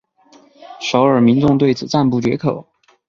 首尔民众对此赞不绝口。